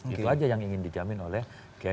itu aja yang ingin dijamin oleh km arief